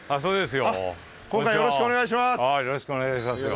よろしくお願いします。